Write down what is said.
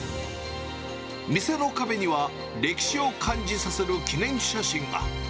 店の壁には、歴史を感じさせる記念写真が。